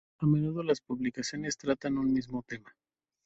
A menudo las publicaciones tratan un mismo tema.